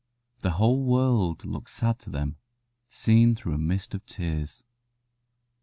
The whole world looked sad to them, seen through a mist of tears.